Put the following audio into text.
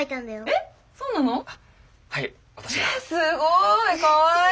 えっすごいかわいい！